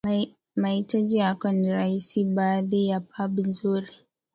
mahitaji yako ni rahisi baadhi ya pub nzuri